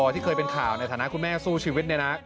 ที่เคยเป็นข่าวในฐานะคุณแม่สู้ชีวิตเนี่ยนะ